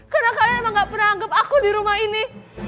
karena kalian emang gak pernah anggap aku di rumah ini